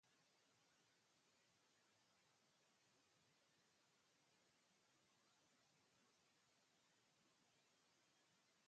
Otras islas, de menor tamaño en sus aguas, son las islas Gobernadora y Leones.